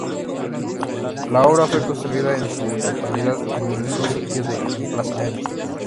La obra fue construida en su totalidad en el mismo sitio de emplazamiento.